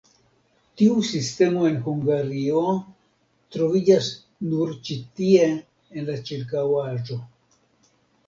Tiu sistemo en Hungario troviĝas nur ĉi tie en la ĉirkaŭaĵo.